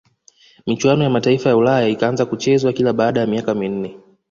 michuano ya mataifa ya ulaya ikaanza kuchezwa kila baada ya miaka minne